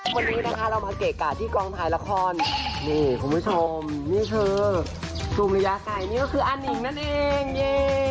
วันนี้นะคะเรามาเกะกะที่กองถ่ายละครนี่คุณผู้ชมนี่คือสุริยาไกรนี่ก็คืออานิงนั่นเอง